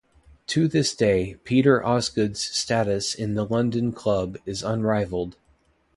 To this day, Peter Osgood's status in the London club is unrivalled.